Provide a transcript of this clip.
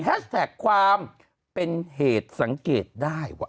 แท็กความเป็นเหตุสังเกตได้ว่า